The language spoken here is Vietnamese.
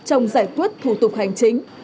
trong giải quyết thủ tục hành chính